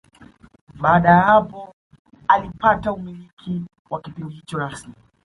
Baada ya hapo alipata umiliki wa kipindi hicho rasmi